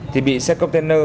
thì bị xe container